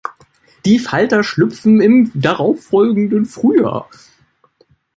Die Falter schlüpfen im darauffolgenden Frühjahr.